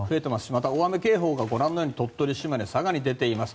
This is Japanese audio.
また、大雨警報がご覧のように鳥取、島根、佐賀に出ています。